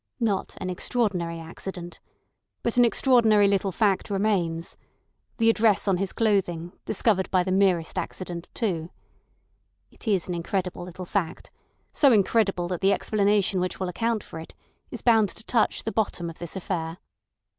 Not an extraordinary accident. But an extraordinary little fact remains: the address on his clothing discovered by the merest accident, too. It is an incredible little fact, so incredible that the explanation which will account for it is bound to touch the bottom of this affair.